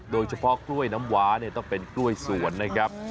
โดยเฉพาะกล้วยน้ำวาเนี่ยต้องเป็นกล้วยสวนนะครับ